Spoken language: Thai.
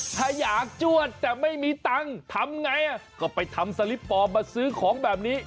ถ้าอยากจวดแต่ไม่มีตังค์ทำไงก็ไปทำสลิปปลอมมาซื้อของแบบนี้